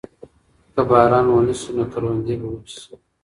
که باران ونه شي نو کروندې به وچې شي.